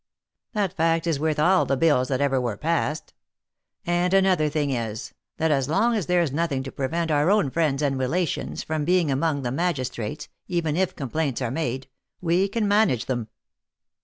That fact is worth all the bills that ever were passed : and another thing is, that as long as there's nothing to prevent our own friends and relations from being among the magistrates, even if complaints are made, we can manage them."